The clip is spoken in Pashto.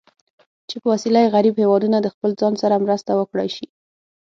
چې په وسیله یې غریب هېوادونه د خپل ځان سره مرسته وکړای شي.